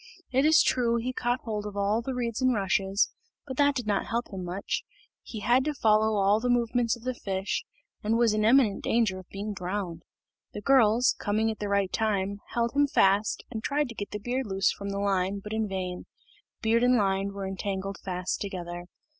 It is true he caught hold of all the reeds and rushes, but that did not help him much; he had to follow all the movements of the fish, and was in imminent danger of being drowned. The girls, coming at the right time, held him fast and tried to get the beard loose from the line, but in vain beard and line were entangled fast together.